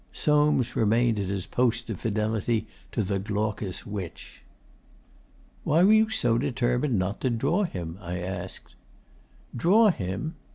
Soames remained at his post of fidelity to the glaucous witch. 'Why were you so determined not to draw him?' I asked. 'Draw him?